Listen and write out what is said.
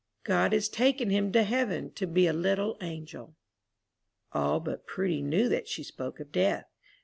God has taken him to heaven to be a little angel." All but Prudy knew that she spoke of death.